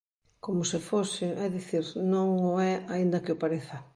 Como se fose, é dicir non o é aínda que o pareza.